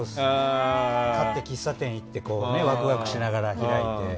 買って、喫茶店行ってワクワクしながら開いて。